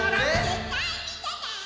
「ぜったいみてて」